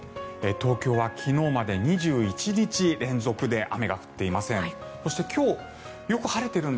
東京は昨日まで２１日連続で雨が降っていません。